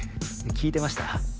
聞いてました？